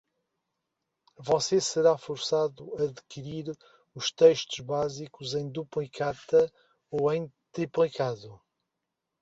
Você será forçado a adquirir os textos básicos em duplicata ou em triplicado?